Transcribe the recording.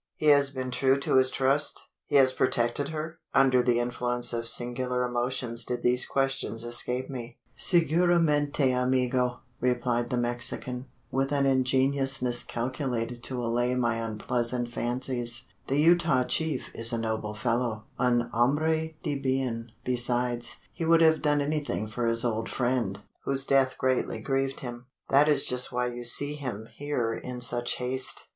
"He has been true to his trust? He has protected her?" Under the influence of singular emotions did these questions escape me. "Seguramente, amigo!" replied the Mexican, with an ingenuousness calculated to allay my unpleasant fancies, "the Utah chief is a noble fellow un hombre de bien besides, he would have done anything for his old friend whose death greatly grieved him. That is just why you see him here in such haste.